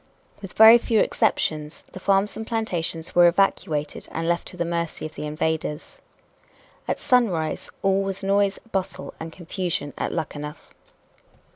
With very few exceptions, the farms and plantations were evacuated and left to the mercy of the invaders. At sunrise all was noise, bustle and confusion at Luckenough.